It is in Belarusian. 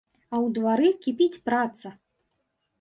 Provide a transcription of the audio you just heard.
А ў двары кіпіць праца!